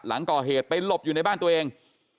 หลังก่อเหตุไปหลบอยู่ในบ้านตัวเอง